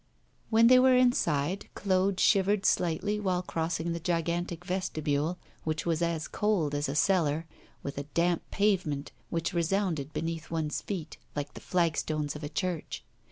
When they were inside, Claude shivered slightly while crossing the gigantic vestibule, which was as cold as a cellar, with a damp pavement which resounded beneath one's feet, like the flagstones of a church.